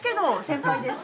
先輩です。